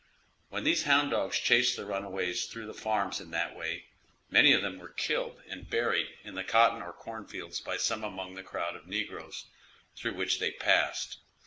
When these hound dogs chased the runaways through farms in that way, many of them were killed and buried in the cotton or corn field by some among the crowd of negroes through which they passed.